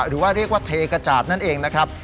หรือว่าเรียกว่าเทกระจาดนั่นเองนะครับ